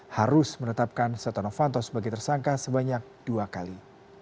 harus menetapkan setonofanto sebagai tersangka sebanyak dua kali